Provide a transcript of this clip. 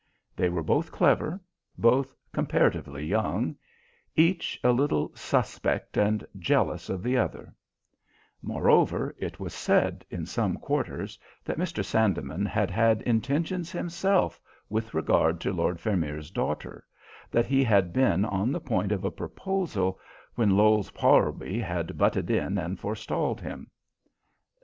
They were both clever, both comparatively young, each a little suspect and jealous of the other; moreover, it was said in some quarters that Mr. Sandeman had had intentions himself with regard to Lord Vermeer's daughter, that he had been on the point of a proposal when Lowes Parlby had butted in and forestalled him.